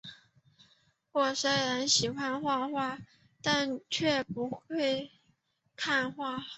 我虽然喜欢画画，但却不会看画